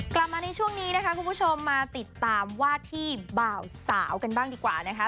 กลับมาในช่วงนี้นะคะคุณผู้ชมมาติดตามวาดที่บ่าวสาวกันบ้างดีกว่านะคะ